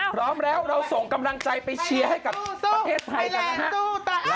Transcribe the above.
พร้อมแล้วเราส่งกำลังใจไปเชียร์ให้กับประเทศไทยกันนะฮะ